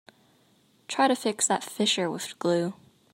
Try to fix that fissure with glue.